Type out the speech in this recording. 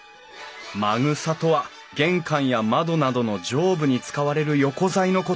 まぐさとは玄関や窓などの上部に使われる横材のこと。